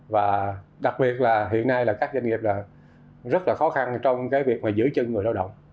và đặc biệt là hiện nay các doanh nghiệp rất khó khăn trong việc giữ chân người lao động